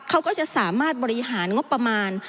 เขาก็จะสามารถบริหารงบประมาณ